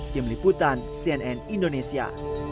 di meliputan cnn indonesia